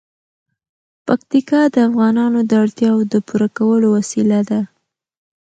پکتیکا د افغانانو د اړتیاوو د پوره کولو وسیله ده.